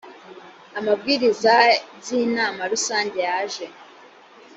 amabwiriza by inama rusange yaje